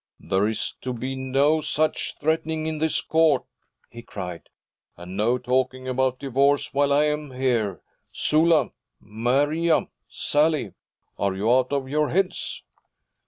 'There is to be no such threatening in this court,' he cried; 'and no talking about divorce while I am here. Sula! Maria! Sally! Are you out of your heads?'